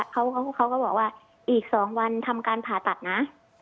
เขาก็บอกว่าอีก๒วันทำการผ่าตัดนะ